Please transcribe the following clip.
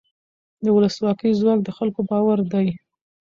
د ولسواکۍ ځواک د خلکو باور دی